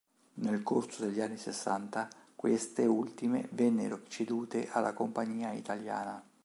Nel corso degli anni sessanta queste ultime vennero cedute alla Compagnia italiana.